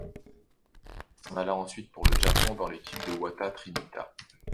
Il s'en alla ensuite pour le Japon, dans l'équipe de Oita Trinita.